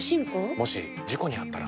もし事故にあったら？